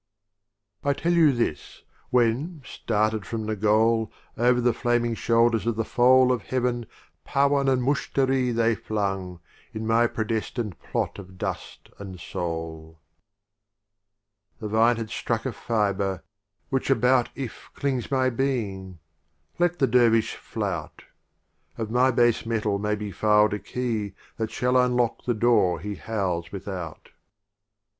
27 LXXV. Ruba'iyat \ tell you this — When, started from C^ the Goal, Over the flaming shoulders of the Foal Of Heav'n Parwin and Mushtari they flung, In my predestined Plot of Dust and Soul LXXVI. The Vine had struck a fibre : which about If clings my Being — let the Der vish flout; Of my Base metal may be filed a Key, That shall unlock the Door he howls without.